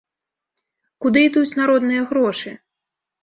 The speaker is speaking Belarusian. Куды ідуць народныя грошы?